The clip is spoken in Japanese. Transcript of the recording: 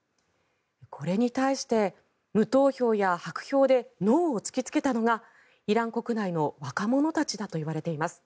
これに対して無効票や白票でノーを突きつけたのがイラン国内の若者たちだといわれています。